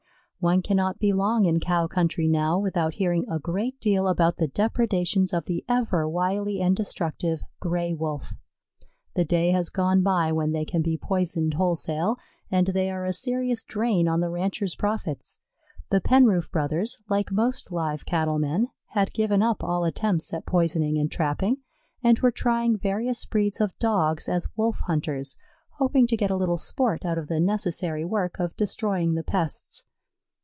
One cannot be long in Cow country now without hearing a great deal about the depredations of the ever wily and destructive Gray wolf. The day has gone by when they can be poisoned wholesale, and they are a serious drain on the rancher's profits. The Penroof Brothers, like most live cattle men, had given up all attempts at poisoning and trapping, and were trying various breeds of Dogs as Wolf hunters, hoping to get a little sport out of the necessary work of destroying the pests.